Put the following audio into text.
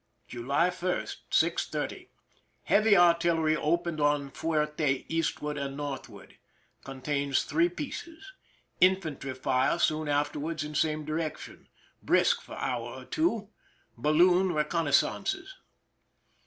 July 1, 6 : 30. Heavy artillery opened on fuerte eastward and northward. Contains 3 pieces. Infantry fii*e soon afterward in same direction. Brisk for hour or two. Balloon reconnaissances.